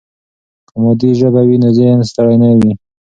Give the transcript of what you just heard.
که مادي ژبه وي، نو ذهن ستړي نه وي.